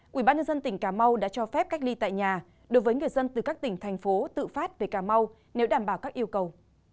quỹ ban nhân dân tỉnh cà mau đã cho phép cách ly tại nhà đối với người dân từ các tỉnh thành phố tự phát về cà mau nếu đảm bảo các yêu cầu